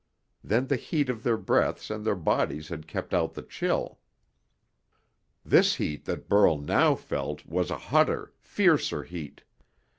Then the heat of their breaths and their bodies had kept out the chill. This heat that Burl now felt was a hotter, fiercer heat.